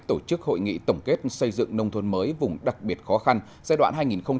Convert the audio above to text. tổ chức hội nghị tổng kết xây dựng nông thôn mới vùng đặc biệt khó khăn giai đoạn hai nghìn một mươi sáu hai nghìn hai mươi